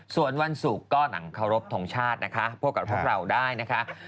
ส่วนวันศุกร์ก็หนังเคารพทงชาตินะคะพบกับพวกเราได้นะคะ